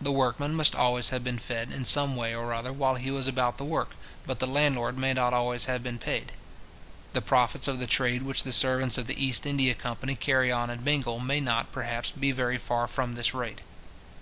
The workman must always have been fed in some way or other while he was about the work, but the landlord may not always have been paid. The profits of the trade which the servants of the East India Company carry on in Bengal may not, perhaps, be very far from this rate.